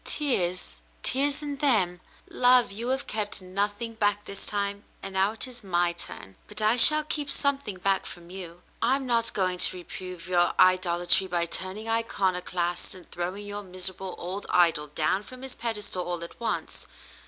Tears? Tears in them ? Love, you have kept nothing back this time, and now it is my turn, but I shall keep something back from you. I'm not going to reprove your idolatry by turn ing iconoclast and throwing your miserable old idol down from his pedestal all at once.